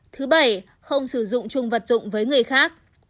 thứ bảy không sử dụng chung vật dụng với người khác